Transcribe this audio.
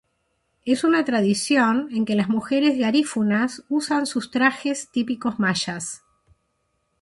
Es una tradición en la que las mujeres garífunas usan sus trajes típicos mayas.